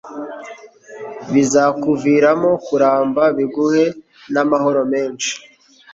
bizakuviramo kuramba biguhe n'amahoro menshi